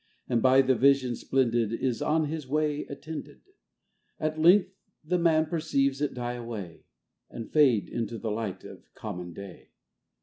And by the vision splendid Is on his way attended ; At length the Man perceives it die away, And fade into the light of common day.